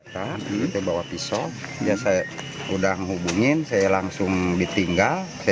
karena dia juga bawa senjata tajam